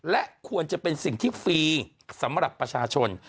และควรจะเป็นสิ่งที่ฟรีสำหรับประชาชน